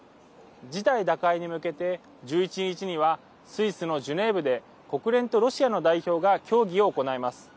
事態打開に向けて１１日にはスイスのジュネーブで国連とロシアの代表が協議を行います。